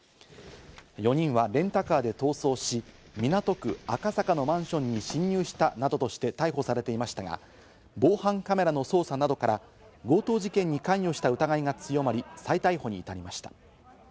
４人はレンタカーで逃走し、港区赤坂のマンションに侵入したなどとして逮捕されていましたが、防犯カメラの捜査などから強盗事件に関与した疑いが強まり、再逮捕に至りました。